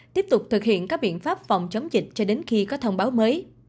tiếp tục thực hiện các biện pháp phòng chống dịch cho đến khi có thông báo mới